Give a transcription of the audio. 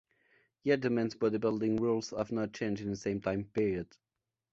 Yet the men's bodybuilding rules have not changed in the same time period.